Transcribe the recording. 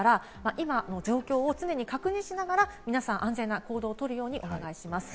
今の状況を常に確認しながら皆さん、安全な行動をとるようにお願いします。